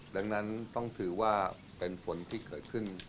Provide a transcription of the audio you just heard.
ดังนั้นต้องถือว่าเป็นฝนที่เกิดขึ้น